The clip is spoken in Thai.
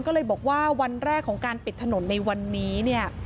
ก็เลยบอกว่าวันแรกของการปิดถนนในวันนี้เนี่ย